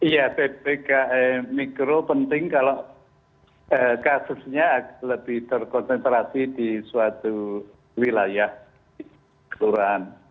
ya ppkm mikro penting kalau kasusnya lebih terkonsentrasi di suatu wilayah kelurahan